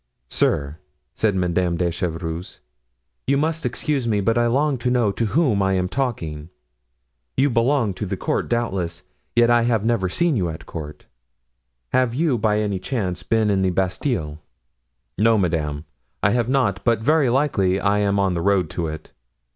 "Sir," said Madame de Chevreuse, "you must excuse me, but I long to know to whom I am talking. You belong to the court, doubtless, yet I have never seen you at court. Have you, by any chance, been in the Bastile?" "No, madame, I have not; but very likely I am on the road to it."